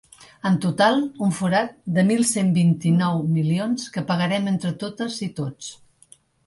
En total, un forat de mil cent vint-i-nou milions que pagarem entre totes i tots.